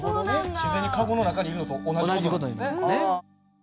自然にカゴの中にいるのと同じ事なんですね。